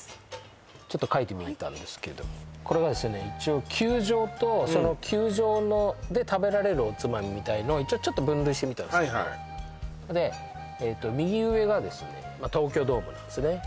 ちょっと描いてみたんですけどこれがですね一応球場と球場で食べられるおつまみみたいのをちょっと分類してみたんですけどで右上がですね東京ドームなんですね